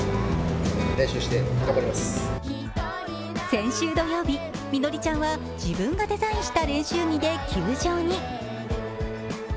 先週土曜日、実紀ちゃんは自分がデザインした練習着で球場に。